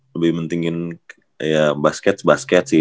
lebih mentingin kayak basket basket sih